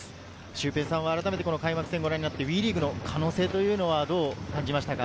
シュウペイさん、開幕戦をご覧になってＷＥリーグの可能性はどう感じましたか？